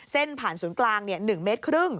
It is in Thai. เส้นผ่านศูนย์กลาง๑๕เมตร